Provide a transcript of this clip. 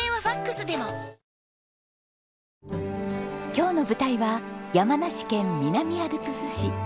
今日の舞台は山梨県南アルプス市。